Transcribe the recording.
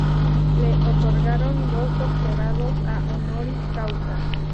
Le otorgaron dos doctorados Honoris Causa.